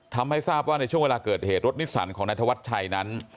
ทำให้ทราบว่าในช่วงเวลาเกิดเหตุรถนิสสันของนายธวัชชัยนั้น